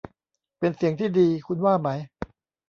เป็นเสียงที่ดี คุณว่าไหม